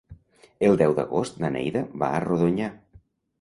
El deu d'agost na Neida va a Rodonyà.